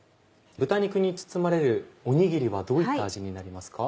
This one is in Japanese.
豚肉に包まれるおにぎりはどういった味になりますか？